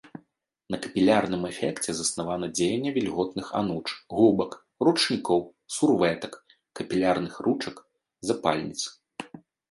На капілярным эфекце заснавана дзеянне вільготных ануч, губак, ручнікоў, сурвэтак, капілярных ручак, запальніц.